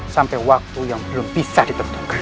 sampai waktu yang belum bisa ditentukan